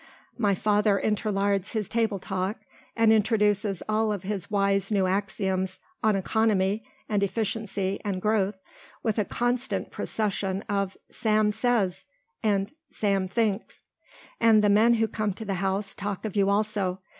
My father interlards his table talk, and introduces all of his wise new axioms on economy and efficiency and growth, with a constant procession of 'Sam says' and 'Sam thinks.' And the men who come to the house talk of you also.